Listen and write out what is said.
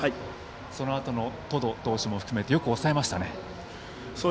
そのあとの百々投手も含めてよく抑えましたね。